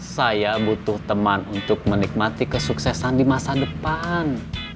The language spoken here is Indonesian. saya butuh teman untuk menikmati kesuksesan di masa depan